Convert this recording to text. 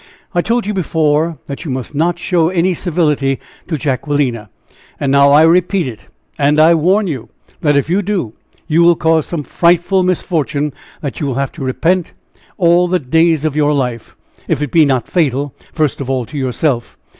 I told you before, that you must not show any civility to Jacquelina. And now I repeat it! And I warn you that if you do, you will cause some frightful misfortune that you will have to repent all the days of your life if it be not fatal first of all to yourself.